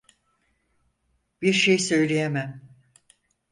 Bir şey söyleyemem.